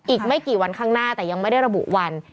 อีกไม่กี่วันข้างหน้าแต่ยังไม่ได้ระบุวัน